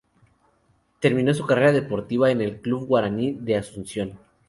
Terminó su carrera deportiva en el Club Guaraní de Asunción.